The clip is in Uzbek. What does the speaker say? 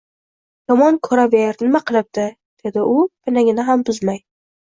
— Yomon ko’raver, nima qilibdi, – dedi u pinagini ham buzmay.